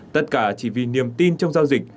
tất cả chỉ vì niềm tin trong giao dịch